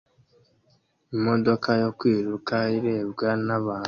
Imodoka yo kwiruka irebwa nabantu